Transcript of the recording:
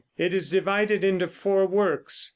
It is divided into four works.